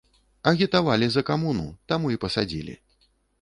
Агітавалі за камуну, таму і пасадзілі!